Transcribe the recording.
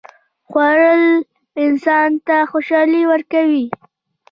خوړل انسان ته خوشالي ورکوي